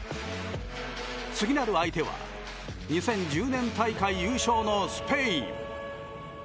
次なる相手は２０１０年大会優勝のスペイン。